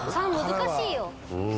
３難しいよ。